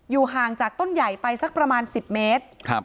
ห่างจากต้นใหญ่ไปสักประมาณ๑๐เมตร